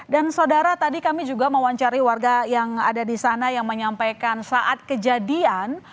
dan saudara tadi kami juga mau mencari warga yang ada di sana yang menyampaikan saat kejadian